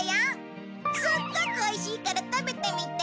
すっごくおいしいから食べてみて！